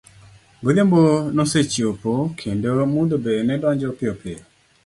Godhiambo ne osechopo kendo mudho be ne donjo piyopiyo.